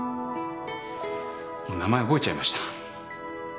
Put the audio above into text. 名前覚えちゃいました。